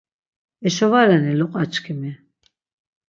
Eşo va reni loqaçkimi?